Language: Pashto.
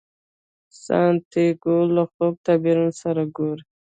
سانتیاګو له خوب تعبیرونکي سره ګوري.